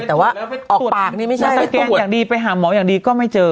แต่ว่าออกปากนี่ไม่ใช่สแกนอย่างดีไปหาหมออย่างดีก็ไม่เจอ